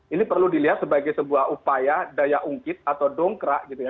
ini perlu dilihat sebagai sebuah upaya daya ungkit atau dongkaran